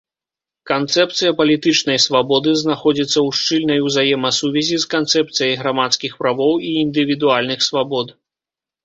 Канцэпцыя палітычнай свабоды знаходзіцца ў шчыльнай узаемасувязі з канцэпцыяй грамадскіх правоў і індывідуальных свабод.